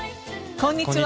こんにちは。